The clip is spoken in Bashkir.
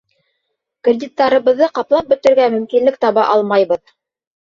Кредиттарыбыҙҙы ҡаплап бөтөргә мөмкинлек таба алмайбыҙ.